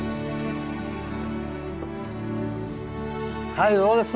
はいどうです？